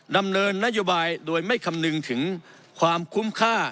ดำเนินนโยบายโดยไม่คำนึงถึงความคุ้มค่า